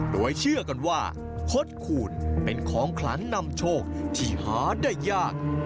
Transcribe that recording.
โดยเชื่อกันว่าคดคูณเป็นของขลังนำโชคที่หาได้ยาก